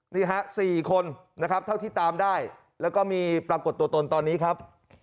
นี่ฮะ๔คนนะครับเท่าที่ตามได้แล้วก็มีปรากฏตัวตนตอนนี้ครับ